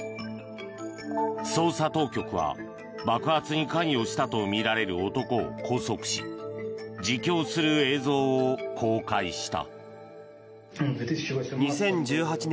捜査当局は爆発に関与したとみられる男を拘束し自供する映像を公開した。